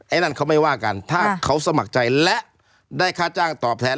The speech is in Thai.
นั่นเขาไม่ว่ากันถ้าเขาสมัครใจและได้ค่าจ้างตอบแทน